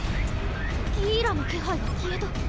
ギーラの気配が消えた。